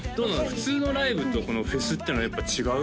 普通のライブとこのフェスっていうのはやっぱ違う？